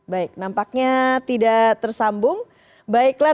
baik nampaknya tidak ada